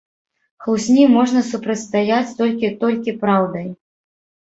Хлусні можна супрацьстаяць толькі толькі праўдай.